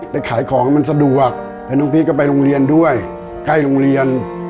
ไปขายของมันสะดวกแล้วน้องพีชก็ไปโรงเรียนด้วยใกล้โรงเรียน